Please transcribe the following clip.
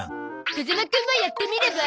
風間くんもやってみれば？